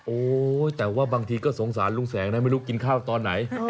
โอ้ยแต่ว่าบางทีก็สงสารลุงแสงนะไม่รู้กินข้าวตอนไหน